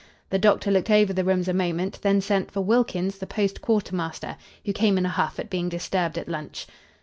The doctor looked over the rooms a moment; then sent for Wilkins, the post quartermaster, who came in a huff at being disturbed at lunch.